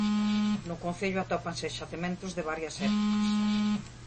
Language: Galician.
No concello atópanse xacementos de varias épocas.